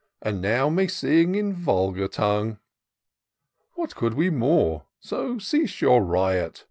You now may sing in vulgax tongue ! What could we more? — so cease your riot.